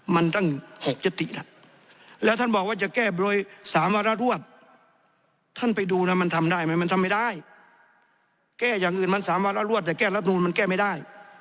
มันแก้รัฐนูนมันแก้ไม่ได้